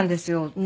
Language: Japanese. ねえ。